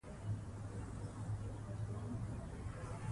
کندهار قلابند سو.